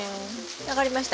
分かりました。